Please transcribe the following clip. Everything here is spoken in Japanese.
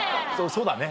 そうだね